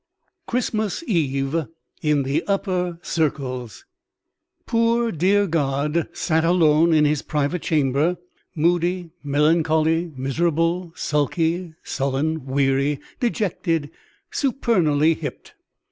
CHRISTMAS EVE IN THE UPPER CIRCLES (1866.) Poor dear God sat alone in his private chamber, moody, melancholy, miserable, sulky, sullen, weary, dejected, supenally hipped.